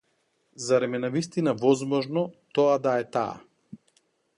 Зарем е навистина возможно тоа да е таа?